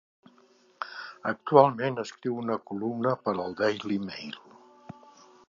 Actualment escriu una columna per al "Daily Mail".